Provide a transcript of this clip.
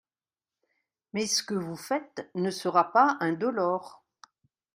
Mais ce que vous faites ne sera pas indolore.